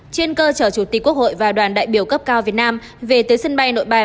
trên cơ sở chủ tịch quốc hội và đoàn đại biểu cấp cao việt nam về tới sân bay nội bài